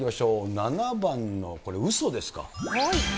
７番のこれ、うそですか。